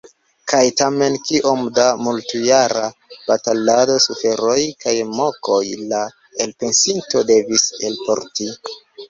Kaj tamen kiom da multjara batalado, suferoj kaj mokoj la elpensinto devis elporti!